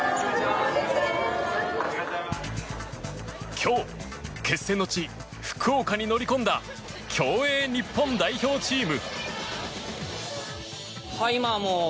今日、決戦の地福岡に乗り込んだ競泳日本代表チーム。